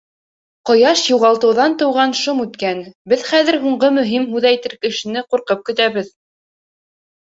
Ҡояш юғалтыуҙан тыуған шом үткән, беҙ хәҙер һуңғы мөһим һүҙ әйтер кешене ҡурҡып көтәбеҙ.